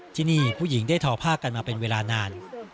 ที่นี่ผู้หญิงได้ทอผ้ากันมาเป็นเวลานาน